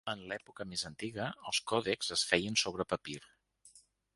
En l’època més antiga, els còdexs es feien sobre papir.